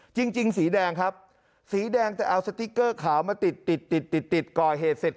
จริงสีแดงครับสีแดงจะเอาสติ๊กเกอร์ขาวมาติดติดติดติดก่อเหตุเสร็จ